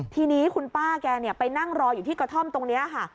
ทีนี้คุณป้าแกไปนั่งรออยู่ที่กระท่อมตรงนี้ค่ะ